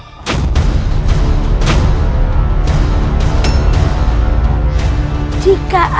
jika aku bisa menangkap kian santang